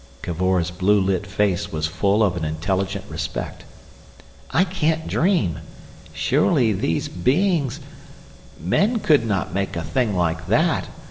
Cavor's blue lit face was full of an intelligent respect. "I can't dream! Surely these beings— Men could not make a thing like that!